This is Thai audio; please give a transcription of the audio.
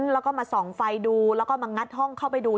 แล้วก็ส่องไฟดูมางัดห้องเข้าไปดู